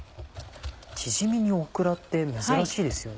チヂミにオクラって珍しいですよね。